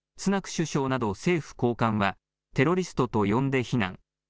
首相など政府高官はテロリストと呼んで非難。